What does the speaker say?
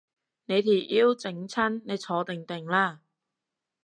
你條腰整親，你坐定定啦